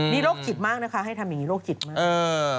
นี่โรคจิตมากนะคะให้ทำอย่างนี้โรคจิตมาก